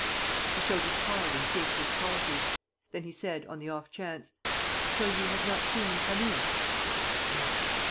..." He showed his card and stated his quality. Then he said, on the off chance: "So you have not seen them come in?" "No."